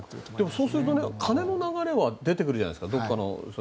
そうすると金の流れは出てくるじゃないですか。